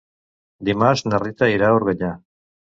Dimarts na Rita irà a Organyà.